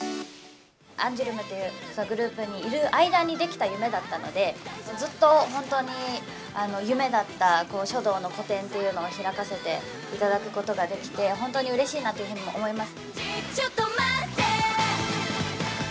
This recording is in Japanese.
アンジュルムというグループにいる間にできた夢だったので、ずっと本当に、夢だった書道の個展というのを開かせていただくことができて、本当にうれしいなというふうに思います。